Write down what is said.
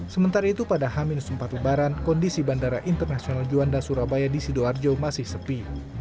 sementara itu pada h empat lebaran kondisi bandara internasional juanda surabaya di sidoarjo masih sepi